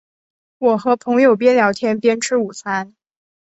我和朋友边聊天边吃午餐